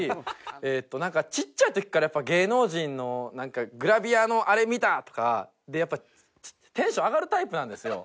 えっとなんかちっちゃい時からやっぱ芸能人のグラビアのあれ見た！とかでやっぱテンション上がるタイプなんですよ。